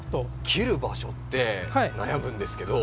切る場所って悩むんですけど。